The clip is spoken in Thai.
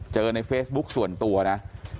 ในเฟซบุ๊คส่วนตัวนะ